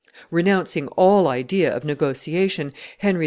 Renouncing all idea of negotiation, Henry IV.